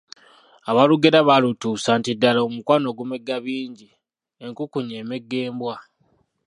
Abaalugera baalutuusa, nti ddala omukwano gumegga bingi, enkukunyi emegga embwa.